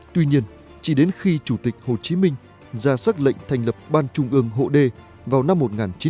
tuy nhiên chỉ đến khi chủ tịch hồ chí minh ra xác lệnh thành lập ban trung ương hộ đê vào năm một nghìn chín trăm bảy mươi năm